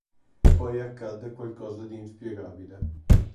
Poi accade qualcosa di inspiegabile.